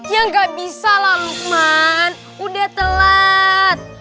ya gak bisa lah lukman udah telat